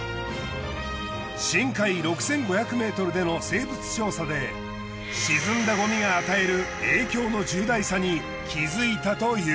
深海６５００ｍでの生物調査で沈んだごみが与える影響の重大さに気づいたという。